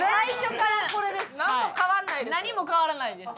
何も変わらないです。